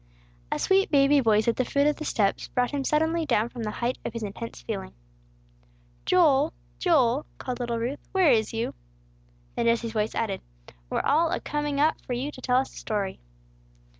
A sweet baby voice at the foot of the steps brought him suddenly down from the height of his intense feeling. "Joel! Joel!" called little Ruth, "where is you?" Then Jesse's voice added, "We're all a coming up for you to tell us a story."